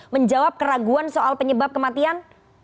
menjawab keraguan soal penyebab kematian